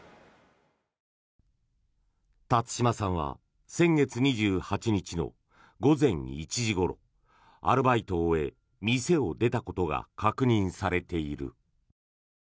辰島さんは先月２８日の午前１時ごろアルバイトを終え店を出たことが確認されている。